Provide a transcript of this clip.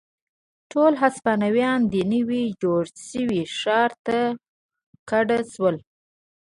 ټول هسپانویان دې نوي جوړ شوي ښار ته کډه شول.